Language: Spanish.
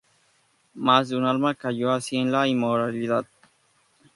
Más de un alma cayó así en la inmoralidad.